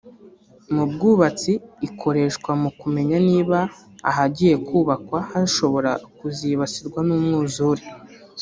Mu bwubatsi ikoreshwa mu kumenya niba ahagiye kubakwa hashobora kuzibasirwa n’umwuzure